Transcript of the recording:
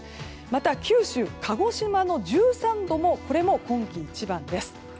また九州、鹿児島の１３度もこれも今季一番です。